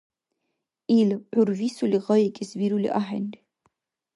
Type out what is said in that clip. Ил, гӀур висули гъайикӀес вирули ахӀенри.